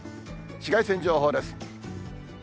紫外線情報です。